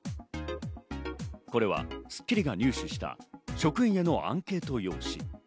これは『スッキリ』が入手した職員へのアンケート用紙。